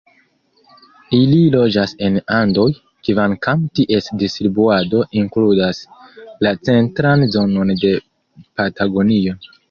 Ili loĝas en Andoj, kvankam ties distribuado inkludas la centran zonon de Patagonio.